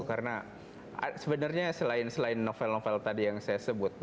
karena sebenarnya selain novel novel tadi yang saya sebut